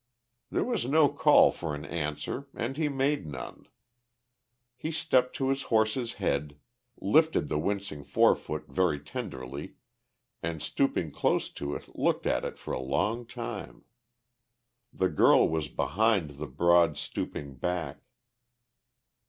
There was no call for an answer and he made none. He stepped to his horse's head, lifted the wincing forefoot very tenderly, and stooping close to it looked at it for a long time. The girl was behind the broad, stooping back.